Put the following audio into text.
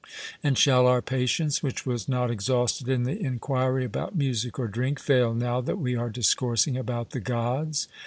'And shall our patience, which was not exhausted in the enquiry about music or drink, fail now that we are discoursing about the Gods?